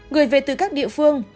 người về từ các địa phương